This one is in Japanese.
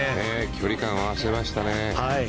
距離感を合わせましたね。